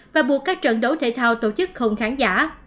và buộc các trận đấu thể thao tổ chức không khán giả